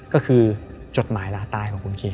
ก็คือจดหมายลาตายของคุณเค